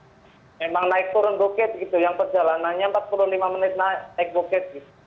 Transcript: memang naik turun bukit gitu yang perjalanannya empat puluh lima menit naik bukit